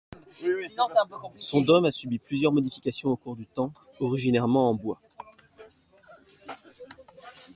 Son dôme a subi plusieurs modifications au cours du temps originairement en bois.